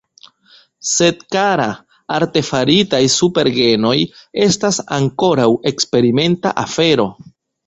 Sed kara, artefaritaj supergenoj estas ankoraŭ eksperimenta afero!